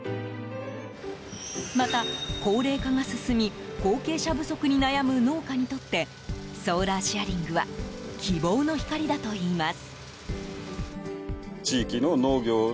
また、高齢化が進み後継者不足に悩む農家にとってソーラーシェアリングは希望の光だといいます。